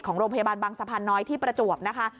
ของโรงพยาบาลบางสะพานน้อยที่ประจวบนะคะ